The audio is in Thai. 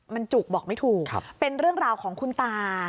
มันจุกบอกไม่ถูกเป็นเรื่องราวของคุณตา